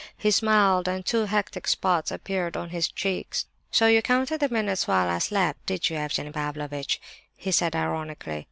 He smiled, and two hectic spots appeared on his cheeks. "So you counted the minutes while I slept, did you, Evgenie Pavlovitch?" he said, ironically.